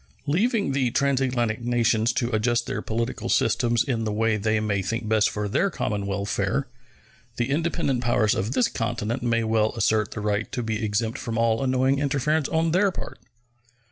Leaving the transatlantic nations to adjust their political system in the way they may think best for their common welfare, the independent powers of this continent may well assert the right to be exempt from all annoying interference on their part.